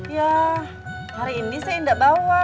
ya hari ini saya tidak bawa